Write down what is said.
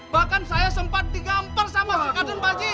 bahkan saya sempat digampar sama si kardun pak ji